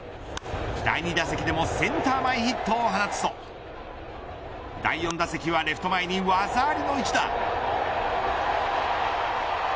第２打席でもセンター前ヒットを放つと第４打席はレフト前に技ありの１打。